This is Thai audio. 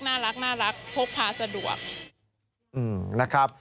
น่ารักพกพาสะดวก